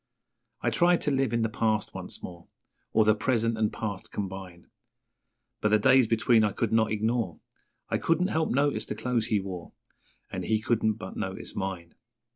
I tried to live in the past once more Or the present and past combine, But the days between I could not ignore I couldn't help notice the clothes he wore, And he couldn't but notice mine.